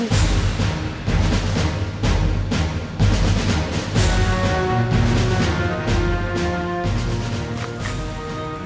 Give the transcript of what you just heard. jangan sampai dia berkeliaran bu